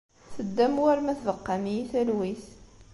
Teddam war ma tbeqqam-iyi talwit.